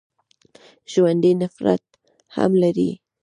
ژوندي نفرت هم لري